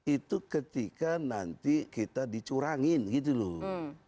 itu ketika nanti kita dicurangin gitu loh